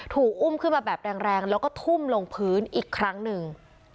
อุ้มขึ้นมาแบบแรงแล้วก็ทุ่มลงพื้นอีกครั้งหนึ่ง